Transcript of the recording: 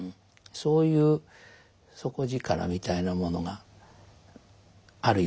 そういう底力みたいなものがあるように思いますね。